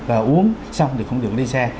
và uống xong thì không được lên xe